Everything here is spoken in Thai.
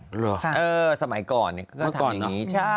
เหรอคะค่ะเออสมัยก่อนเนี่ยก็ทำอย่างนี้ใช่